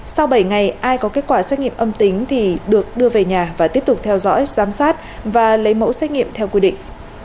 sau bảy ngày ai có kết quả xét nghiệm âm tính thì được đưa về nhà và tiếp tục theo dõi giám sát và lấy mẫu xét nghiệm theo quy định